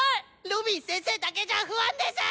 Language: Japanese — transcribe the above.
ロビン先生だけじゃあ不安です！